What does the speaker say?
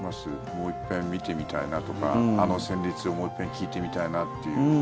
もう１回見てみたいなとかあの旋律をもう一遍聴いてみたいなっていう。